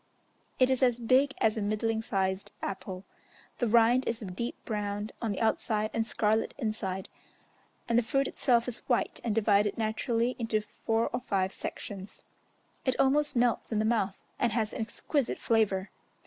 It is as big as a middling sized apple. The rind is a deep brown on the outside and scarlet inside, and the fruit itself is white, and divided naturally into four or five sections: it almost melts in the mouth, and has an exquisite flavour.